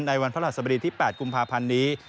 วันพระราชสมดีที่๘กุมภาพันธ์นี้